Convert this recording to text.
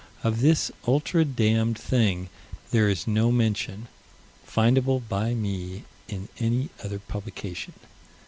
Of this ultra damned thing, there is no mention, findable by me, in any other publication.